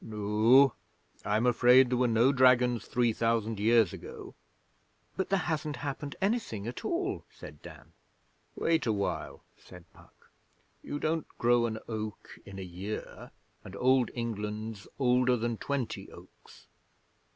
'No; I'm afraid there were no dragons three thousand years ago.' 'But there hasn't happened anything at all,' said Dan. 'Wait awhile,' said Puck. 'You don't grow an oak in a year and Old England's older than twenty oaks.